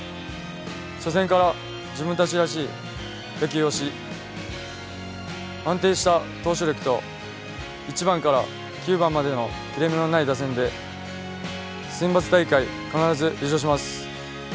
初戦から自分たちらしい野球をし安定した投手力と１番から９番までの切れ目のない打線でセンバツ大会、必ず優勝します。